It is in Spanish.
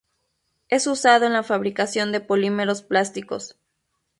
Es usado en la fabricación de polímeros plásticos.